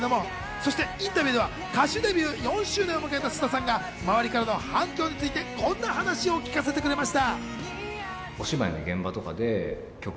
インタビューでは歌手デビュー４周年を迎えた菅田さんが周りからの反響についてこんな話を聞かせてくれました。